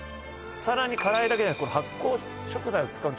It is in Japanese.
さらに辛いだけではなく発酵食材を使う